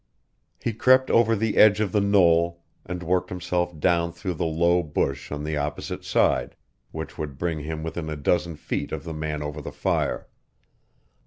He crept over the edge of the knoll and worked himself down through the low bush on the opposite side, which would bring him within a dozen feet of the man over the fire.